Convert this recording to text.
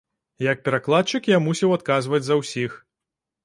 Як перакладчык, я мусіў адказваць за ўсіх.